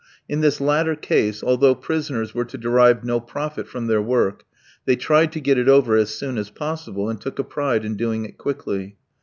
In this latter case, although prisoners were to derive no profit from their work, they tried to get it over as soon as possible, and took a pride in doing it quickly.